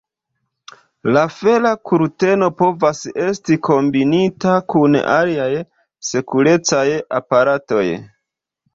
La fera kurteno povas esti kombinita kun aliaj sekurecaj aparatoj.